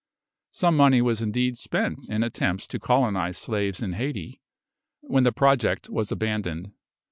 Some money was indeed spent in attempts to colonise slaves in Hayti, when the project was abandoned.